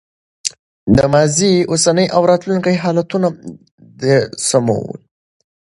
د ماضي، اوسني او راتلونکي حالتونو د سمون